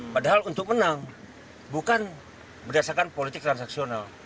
padahal untuk menang bukan berdasarkan politik transaksional